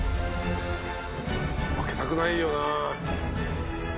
負けたくないよな。